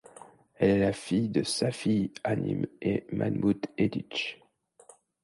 Elle est la fille de Safiye Hanım et Mahmut Yediç.